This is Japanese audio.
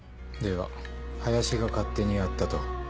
では林が勝手にやったと？